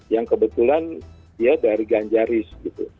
yang kebetulan dia dari ganjaris gitu